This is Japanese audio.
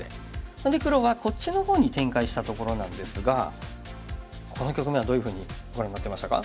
それで黒はこっちの方に展開したところなんですがこの局面はどういうふうにご覧になってましたか？